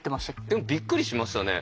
でもびっくりしましたね。